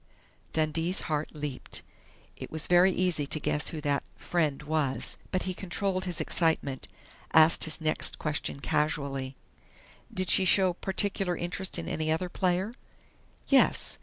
Dundee's heart leaped. It was very easy to guess who that "friend" was! But he controlled his excitement, asked his next question casually: "Did she show particular interest in any other player?" "Yes.